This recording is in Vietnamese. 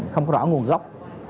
không có rõ nguồn gốc